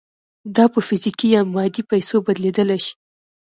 دا په فزیکي یا مادي پیسو بدلېدای شي